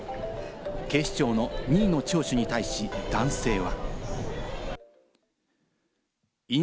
警視庁の任意の聴取に対し、男性は。